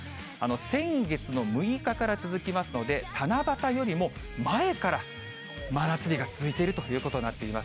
先月の６日から続きますので、七夕よりも前から真夏日が続いているということになっています。